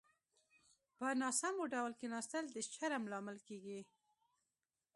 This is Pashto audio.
په ناسمو ډول کيناستل د شرم لامل کېږي.